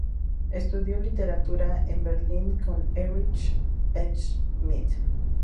Estudió literatura en Berlín con Erich Schmidt.